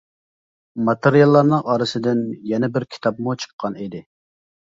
ماتېرىياللارنىڭ ئارىسىدىن يەنە بىر كىتابمۇ چىققان ئىدى.